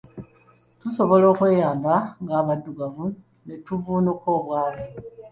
Tusobola okweyamba nga abaddugavu ne tuvvuunuka obwavu.